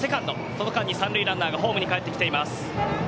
その間に三塁ランナーがホームに帰ってきています。